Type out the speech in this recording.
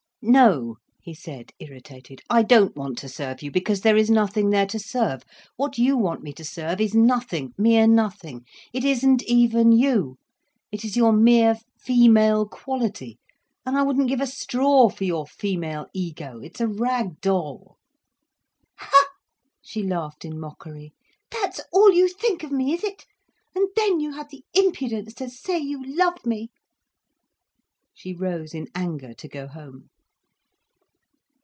"No," he said, irritated, "I don't want to serve you, because there is nothing there to serve. What you want me to serve, is nothing, mere nothing. It isn't even you, it is your mere female quality. And I wouldn't give a straw for your female ego—it's a rag doll." "Ha!" she laughed in mockery. "That's all you think of me, is it? And then you have the impudence to say you love me." She rose in anger, to go home.